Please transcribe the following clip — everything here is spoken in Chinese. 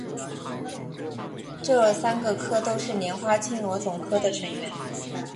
这三个科都是莲花青螺总科的成员。